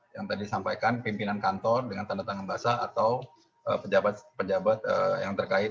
yang tadi disampaikan pimpinan kantor dengan tanda tangan basah atau pejabat pejabat yang terkait